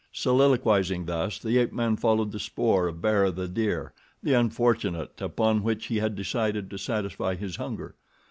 Soliloquizing thus, the ape man followed the spoor of Bara, the deer, the unfortunate upon which he had decided to satisfy his hunger.